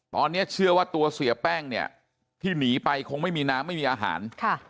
ตอนนี้เชื่อว่าตัวเสียแป้งเนี่ยที่หนีไปคงไม่มีน้ำไม่มีอาหาร